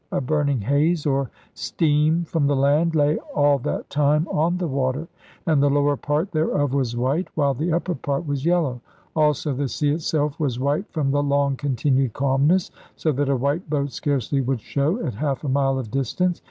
A burning haze, or steam from the land, lay all that time on the water; and the lower part thereof was white, while the upper spread was yellow. Also the sea itself was white from the long continued calmness, so that a white boat scarcely would show at half a mile of distance.